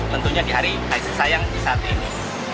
tentunya di hari kaisah sayang saat ini